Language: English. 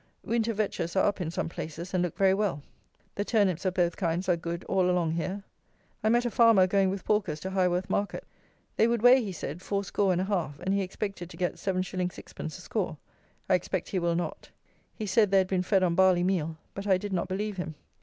Winter Vetches are up in some places, and look very well. The turnips of both kinds are good all along here. I met a farmer going with porkers to Highworth market. They would weigh, he said, four score and a half, and he expected to get 7_s._ 6_d._ a score. I expect he will not. He said they had been fed on barley meal; but I did not believe him.